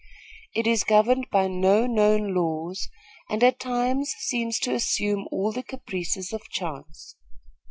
It is governed by no known laws, and at times seems to assume all the caprices of chance.